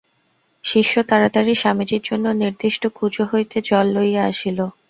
শিষ্য তাড়াতাড়ি স্বামীজীর জন্য নির্দিষ্ট কুঁজো হইতে জল লইয়া আসিল।